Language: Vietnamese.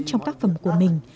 trong các phẩm của mình